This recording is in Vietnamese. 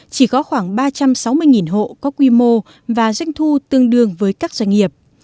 chỉ có khoảng ba trăm sáu mươi hộ có quy mô và doanh thu tương đương với các doanh nghiệp